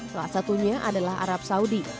salah satunya adalah arab saudi